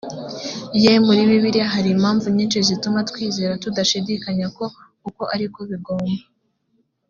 ye muri bibiliya hari impamvu nyinshi zituma twizera tudashidikanya ko uko ari ko bigomba